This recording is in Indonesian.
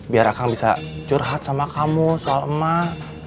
biar akan bisa curhat sama kamu soal emak